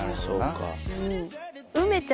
そうか。